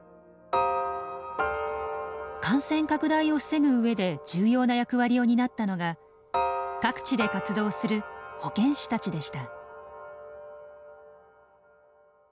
感染拡大を防ぐ上で重要な役割を担ったのが各地で活動する保健師たちでした。